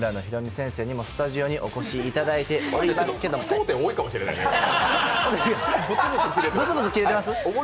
先生にもスタジオにお越しいただいておりますけれども句読点多いかもしれない。